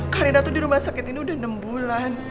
karena tuh di rumah sakit ini udah enam bulan